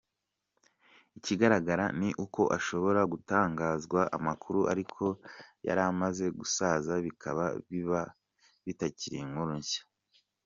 Ikigaragara ni uko hashobora gutangazwa amakuru, ariko yaramaze gusaza bikaba biba bitakiri inkuru nshya.